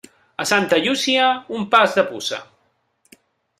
A Santa Llúcia, un pas de puça.